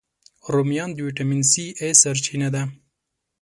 رومیان د ویټامین A، C سرچینه ده